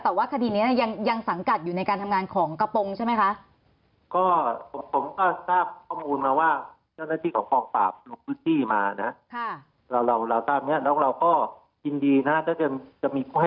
แต่ว่าคดีนี้ยังสังกัดอยู่ในการทำงานของกระโปรงใช่ไหมคะ